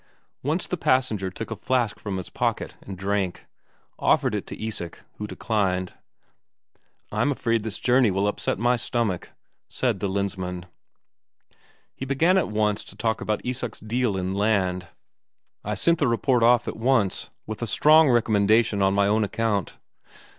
Once the passenger took a flask from his pocket and drank; offered it to Isak, who declined. "I'm afraid this journey will upset my stomach," said the Lensmand. He began at once to talk about Isak's deal in land. "I sent off the report at once, with a strong recommendation on my own account.